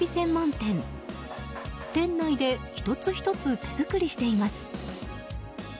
店内で１つ１つ手作りしています。